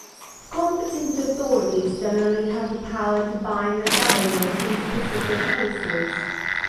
Competent authorities generally have the power to bind their government in specific cases.